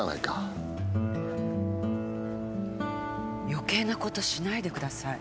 余計な事しないでください。